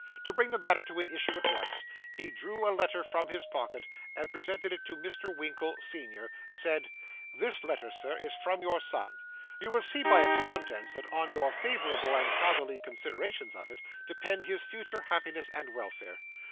To bring the matter to an issue at once, he drew a letter from his pocket, and presenting it to Mr. Winkle, senior, said 'This letter, Sir, is from your son. You will see, by its contents, that on your favourable and fatherly consideration of it, depend his future happiness and welfare.